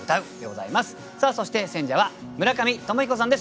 そして選者は村上鞆彦さんです。